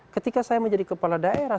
ketika saya menjadi kepala daerah